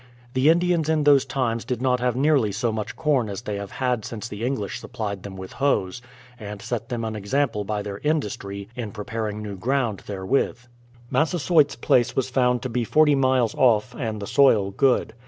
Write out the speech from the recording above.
The Indians in those times did not have nearly so much corn as they have had since the English supplied them with hoes, and set them an example by their industry in preparing new ground therewith. Massasoyt's place was found to be forty miles off and the soil good.